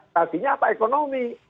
rasusnya apa ekonomi